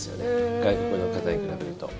外国の方に比べると。